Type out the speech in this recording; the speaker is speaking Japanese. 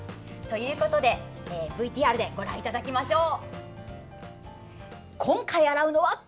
ＶＴＲでご覧いただきましょう。